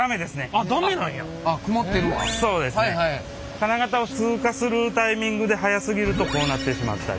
金型を通過するタイミングで速すぎるとこうなってしまったり。